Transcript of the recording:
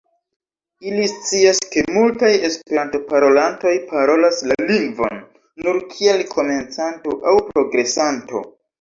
Ili scias ke multaj Esperanto-parolantoj parolas la lingvon nur kiel komencanto aŭ progresanto.